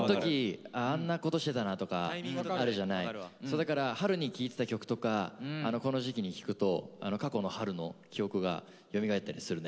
だから春に聴いてた曲とかこの時期に聴くと過去の春の記憶がよみがえったりするね。